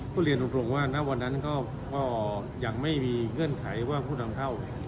ก็เรียนตรงว่าณวันนั้นก็ยังไม่มีเงื่อนไขว่าผู้นำเข้า